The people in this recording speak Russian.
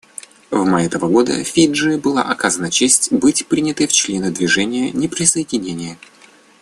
В мае этого года Фиджи была оказана честь быть принятой в члены Движения неприсоединения.